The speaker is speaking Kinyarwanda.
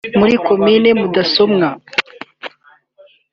muri komini Mudasomwa